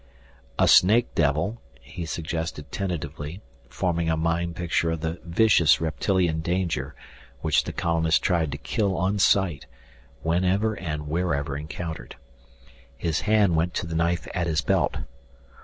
"A snake devil " he suggested tentatively, forming a mind picture of the vicious reptilian danger which the colonists tried to kill on sight whenever and wherever encountered. His hand went to the knife at his belt.